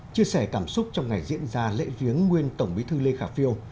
chia sẻ cảm xúc trong ngày diễn ra lễ viếng nguyên tổng bí thư lê khả phiêu